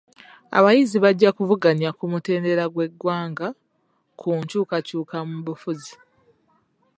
Abayizi bajja kuvuganya ku mutendera gw'eggwanga ku nkyukakyuka mu bufuzi.